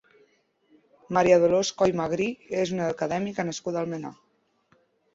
Maria Dolors Coll Magrí és una acadèmica nascuda a Almenar.